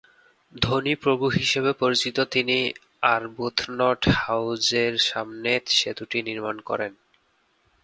"ধনী প্রভু" হিসেবে পরিচিত তিনি আরবুথনট হাউজের সামনে সেতুটি নির্মাণ করেন।